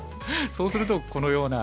そうするとこのような。